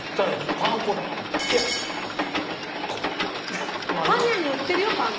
パン屋に売ってるよパン粉。